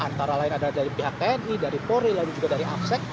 antara lain adalah dari pihak tni dari polri lalu juga dari afsek